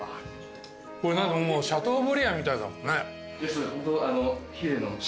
これもうシャトーブリアンみたいだもんね。